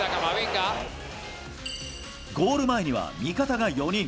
ゴール前には味方が４人。